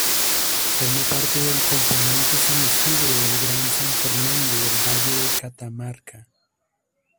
Forma parte del componente San Isidro del Gran San Fernando del Valle de Catamarca.